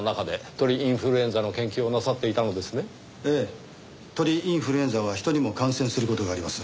鳥インフルエンザは人にも感染する事があります。